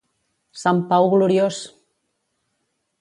Sant Pau gloriós!